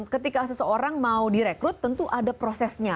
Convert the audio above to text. ketika seseorang mau direkrut tentu ada prosesnya